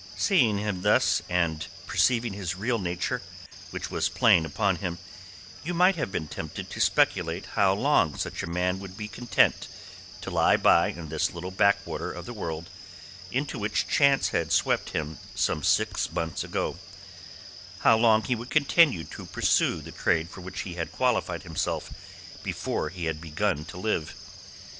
Seeing him thus, and perceiving his real nature, which was plain upon him, you might have been tempted to speculate how long such a man would be content to lie by in this little backwater of the world into which chance had swept him some six months ago; how long he would continue to pursue the trade for which he had qualified himself before he had begun to live.